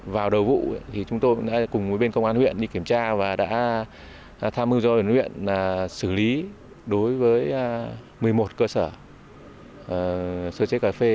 vào đầu vụ thì chúng tôi đã cùng với bên công an huyện đi kiểm tra và đã tham mưu cho huyện xử lý đối với một mươi một cơ sở sơ chế cà phê